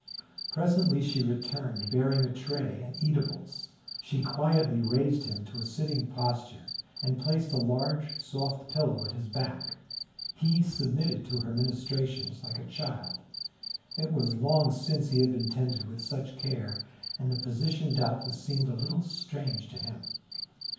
Presently she returned, bearing a tray and eatables. She quietly raised him to a sitting posture, and placed a large soft pillow at his back. He submitted to her ministrations like a child. It was long since he had been tended with such care, and the position doubtless seemed a little strange to him.